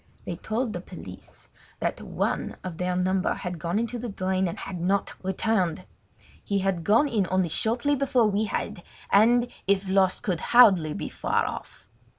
They told the police that one of their number had gone into the drain, but had not returned. He had gone in only shortly before we had, and, if lost, could hardly be far off.